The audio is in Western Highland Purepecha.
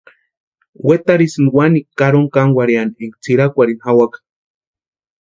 Wetarhisïnti wanikwa karoni kankwarhiani énka tsʼirakwarhini jawaka.